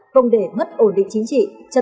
không để mất ổn định chính trị